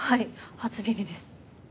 初耳です。